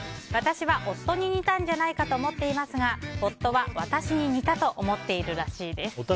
私は夫に似たんじゃないかと思っていましたが夫は私に似たと思っているらしいです。